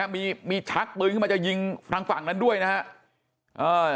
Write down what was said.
มีชักปืนมาจะยิงฝั่งนั้นด้วยนะฮะ